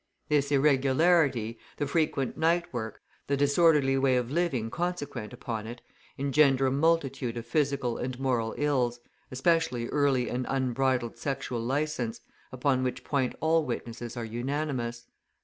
This irregularity, the frequent night work, the disorderly way of living consequent upon it, engender a multitude of physical and moral ills, especially early and unbridled sexual licence, upon which point all witnesses are unanimous.